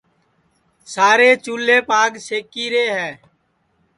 سارے چُولھیپ آگ سیکی رے ہے